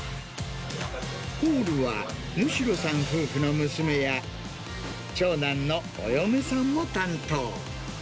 ホールは、主代さん夫婦の娘や、長男のお嫁さんも担当。